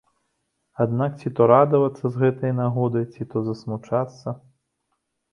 Аднак ці то радавацца з гэтай нагоды, ці то засмучацца?